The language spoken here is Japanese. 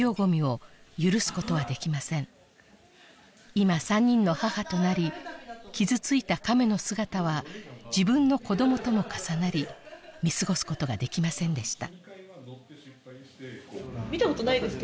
今３人の母となり傷ついたカメの姿は自分の子どもとも重なり見過ごすことができませんでした